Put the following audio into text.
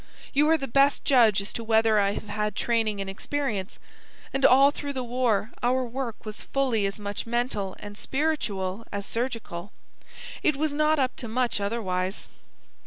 You are the best judge as to whether I have had training and experience; and all through the war our work was fully as much mental and spiritual, as surgical. It was not up to much otherwise.